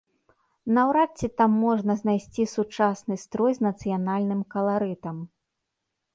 Наўрад ці там можна знайсці сучасны строй з нацыянальным каларытам.